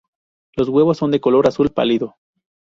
Los huevos son de color azul pálido.